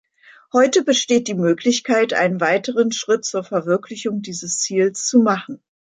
Heute besteht die Möglichkeit, einen weiteren Schritt zur Verwirklichung dieses Ziels zu machen.